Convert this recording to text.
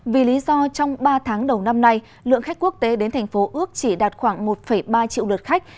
vì lý do trong ba tháng đầu năm nay lượng khách quốc tế đến thành phố ước chỉ đạt khoảng một ba triệu lượt khách